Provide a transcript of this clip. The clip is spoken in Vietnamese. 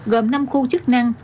gồm năm khu chức năng